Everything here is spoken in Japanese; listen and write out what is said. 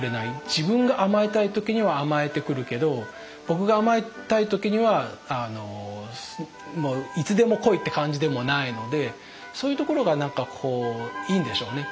自分が甘えたい時には甘えてくるけど僕が甘えたい時にはいつでも来いって感じでもないのでそういうところが何かこういいんでしょうね。